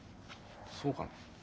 そうかな？